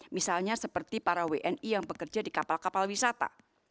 misalnya seperti para wni yang bekerja di kapal kapal wisata